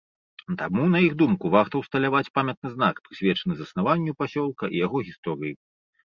Таму, на іх думку, варта ўсталяваць памятны знак, прысвечаны заснаванню пасёлка і яго гісторыі.